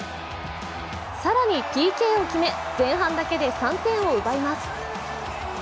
更にＰＫを決め、前半だけで３点を奪います。